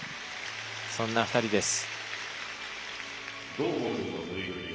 そんな２人です。